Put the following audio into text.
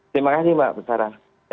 terima kasih mbak pesara